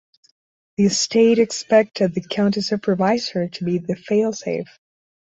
The state expected the county supervisors to be the failsafe.